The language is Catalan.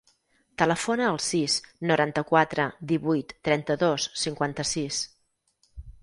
Telefona al sis, noranta-quatre, divuit, trenta-dos, cinquanta-sis.